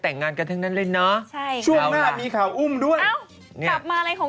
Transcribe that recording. นะครับ